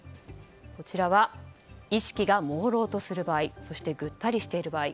こちらは意識がもうろうとする場合そしてぐったりしている場合。